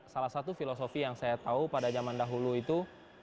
salah satu filosofi yang saya tahu pada zaman dahulu itu